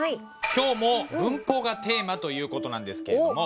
今日も「文法」がテーマという事なんですけれども。